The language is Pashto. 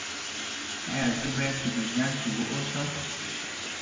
ایا زه باید په جوزجان کې اوسم؟